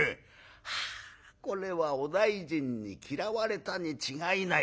はあこれはお大尽に嫌われたに違いない。